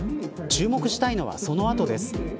注目したいのはその後です。